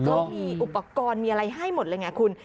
เขามีอุปกรณ์มีอะไรให้หมดเลยไงคุณ